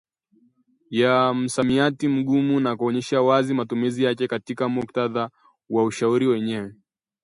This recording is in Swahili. ya msamiati mgumu na kuonyesha wazi matumizi yake katika muktadha wa ushairi wenyewe